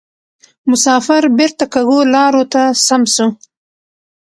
مسافر بیرته کږو لارو ته سم سو